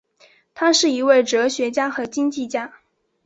他是一位哲学家和经济学家。